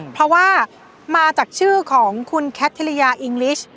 เพราะว่ามาจากชื่อของคุณแคทธิริยาอิงลิช